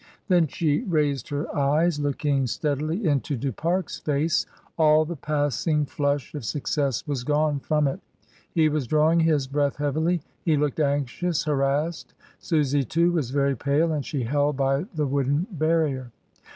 Then she raised her eyes, looking AT THE TERMINUS. 265 Steadily into Du Fare's face. All the passing flush of success was gone from it. He was drawing his breath heavily; he looked anxious, harassed. Susy, too, was very pale, and she held by the wooden barrier.